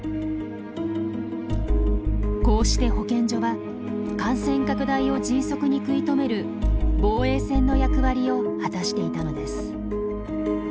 こうして保健所は感染拡大を迅速に食い止める防衛線の役割を果たしていたのです。